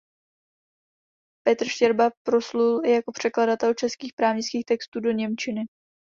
Petr Štěrba proslul jako překladatel českých právnických textů do němčiny.